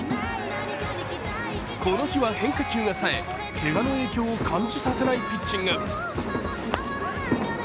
この日は変化球が冴えけがの影響を感じさせないピッチング。